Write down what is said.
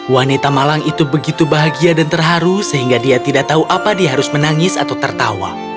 wanita malang itu begitu bahagia dan terharu sehingga dia tidak tahu apa dia harus menangis atau tertawa